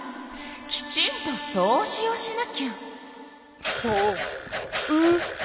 きちんとそうじをしなきゃ。